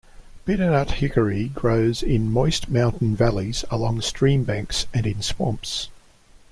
Bitternut hickory grows in moist mountain valleys along streambanks and in swamps.